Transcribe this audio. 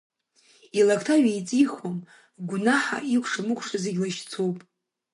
Илакҭа ҩеиҵихуам, гәнаҳа, икәша-мыкәша зегь лашьцоуп.